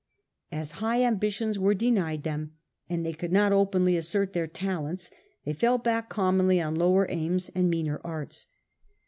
As high ambitions were denied them, and they could not openly assert their talents, they fell back commonly on lower aims and meaner arts.